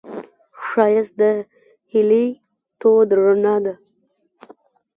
ښایست د هیلې تود رڼا ده